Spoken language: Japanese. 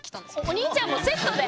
お兄ちゃんもセットで。